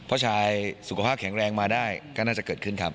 เพราะชายสุขภาพแข็งแรงมาได้ก็น่าจะเกิดขึ้นครับ